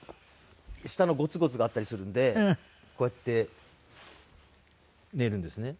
下のゴツゴツがあったりするんでこうやって寝るんですね。